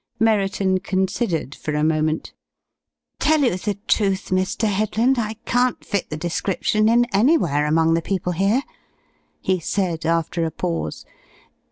Merriton considered for a moment. "Tell you the truth, Mr. Headland, I can't fit the description in anywhere among the people here," he said after a pause.